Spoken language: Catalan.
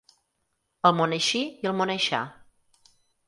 El món així i el món aixà.